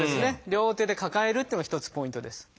両手で抱えるっていうのが一つポイントです。